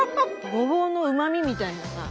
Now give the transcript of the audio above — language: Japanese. ごぼうのうまみみたいなさ